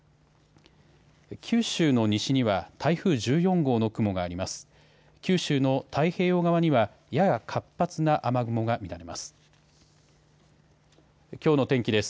九州の西には台風１４号の雲があります。